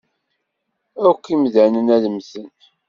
Akk imdanen ad mmten.